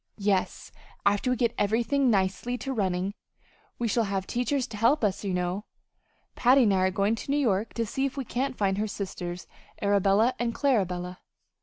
"Yes. After we get everything nicely to running we shall have teachers to help us, you know Patty and I are going to New York to see if we can't find her sisters, Arabella and Clarabella."